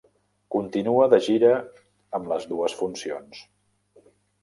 Continua de gira amb les dues funcions.